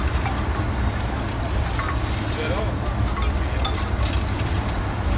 Ddreɣ deg umtiweg-a.